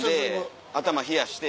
頭冷やして。